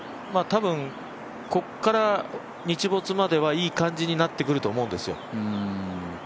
ここから、日没まではいい感じになってくると思うんですよ。